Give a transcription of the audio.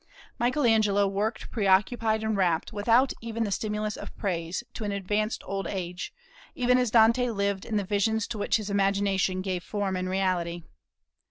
Michael Angelo worked preoccupied and rapt, without even the stimulus of praise, to advanced old age, even as Dante lived in the visions to which his imagination gave form and reality.